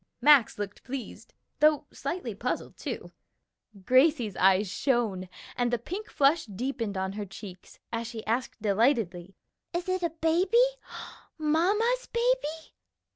Max looked pleased, though slightly puzzled, too; Gracie's eyes shone, and the pink flush deepened on her cheeks, as she asked delightedly, "Is it a baby? Mamma's baby?"